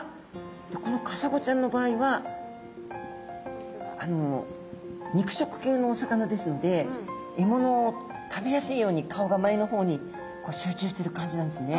とこのカサゴちゃんの場合はあのにくしょくけいのお魚ですのでえものを食べやすいように顔が前の方にしゅうちゅうしてるかんじなんですね。